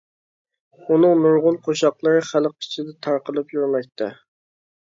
ئۇنىڭ نۇرغۇن قوشاقلىرى خەلق ئىچىدە تارقىلىپ يۈرمەكتە.